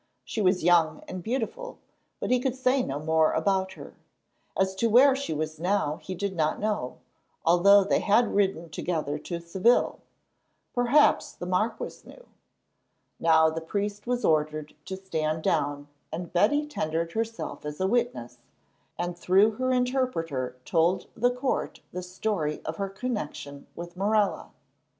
She was young and beautiful, but he could say no more about her. As to where she was now he did not know, although they had ridden together to Seville. Perhaps the marquis knew. Now the priest was ordered to stand down, and Betty tendered herself as a witness, and through her interpreter told the court the story of her connection with Morella.